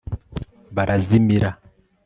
barazimira